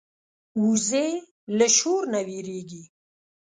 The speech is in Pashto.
وزې له شور نه وېرېږي